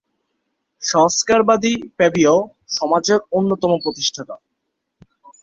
সংস্কারবাদী ফ্যাবীয় সমাজের অন্যতম প্রতিষ্ঠাতা।